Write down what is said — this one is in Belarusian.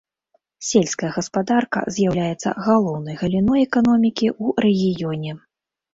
Сельская гаспадарка з'яўляецца галоўнай галіной эканомікі ў рэгіёне.